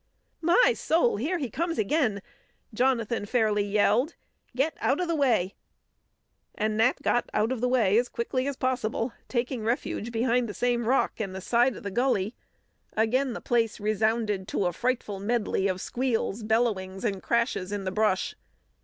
"My soul! Here he comes again!" Jonathan fairly yelled. "Get out o' the way!" And Nat got out of the way as quickly as possible, taking refuge behind the same rock in the side of the gully. Again the place resounded to a frightful medley of squeals, bellowings, and crashes in the brush.